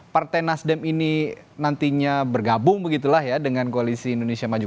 partai nasdem ini nantinya bergabung begitulah ya dengan koalisi indonesia maju